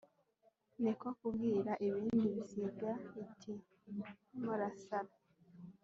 Ni ko kubwira ibindi bisiga iti «murasara